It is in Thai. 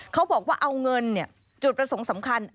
เขาบอกว่าเอาเงินจุดประสงค์สำคัญ